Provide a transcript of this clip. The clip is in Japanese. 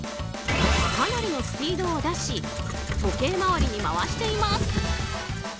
かなりのスピードを出し時計回りに回しています。